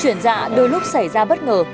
chuyển dạ đôi lúc xảy ra bất ngờ